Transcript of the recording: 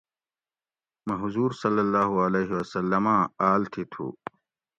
مۤہ حضور صلی اللّہ علیہ وسلم آۤں آۤل تھی تھُو